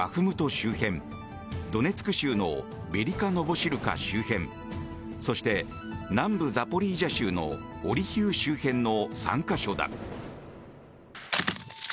周辺ドネツク州のベリカ・ノボシルカ周辺そして、南部ザポリージャ州のオリヒウ周辺の３か所だ。